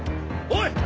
おい！